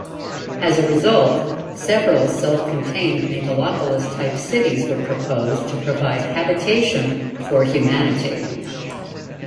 As a result, several self-contained Megalopolis-type cities were proposed to provide habitation for humanity.